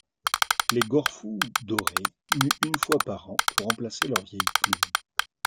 Les gorfous dorés muent une fois par an pour remplacer leurs vieilles plumes.